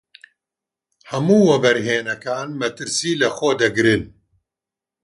هەموو وەبەرهێنانەکان مەترسی لەخۆ دەگرن.